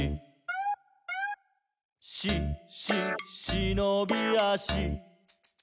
「し・し・しのびあし」